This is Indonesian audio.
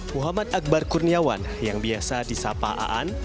muhammad akbar kurniawan yang biasa disapaaan